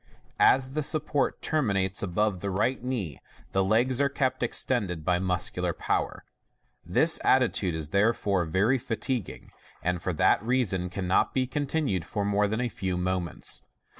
As the support terminates above the right knee, the legs are kept extended by muscular power. This attitude is therefore very fatiguing, and for that reason cannot be continued more than a few moments.